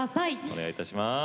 お願いいたします。